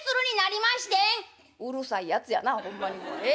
「うるさいやつやなほんまにええ？